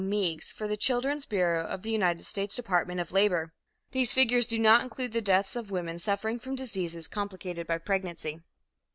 Meigs, for the Children's Bureau of the United States Department of Labor. These figures do not include the deaths of women suffering from diseases complicated by pregnancy.